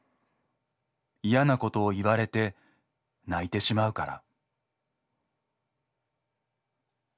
嫌なことを言われて泣いてしまうから」。